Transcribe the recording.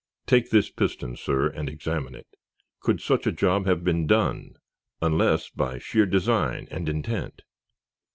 "Take this piston, sir, and examine it. Could such a job have been done, unless by sheer design and intent?"